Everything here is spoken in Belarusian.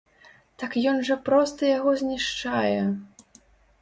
Так ён жа проста яго знішчае!